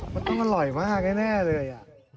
มันต้องอร่อยมากแน่เลย